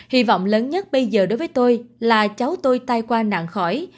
hy vọng lớn nhất bây giờ đối với tôi là cháu tôi tai qua nạn khỏi